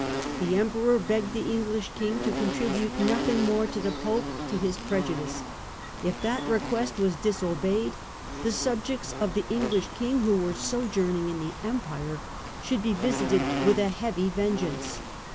The Emperor begged the English King to contribute nothing more to the Pope to his prejudice : if that request was dis obeyed the subjects of the English King who were sojourning in the Empire should be visited with a heavy vengeance.